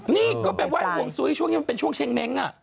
นี่ควรเป็นวัยหวงซุ้ยช่วงช่องเชงเม้ง